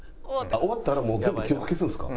終わったらもう全部記憶消すんですか？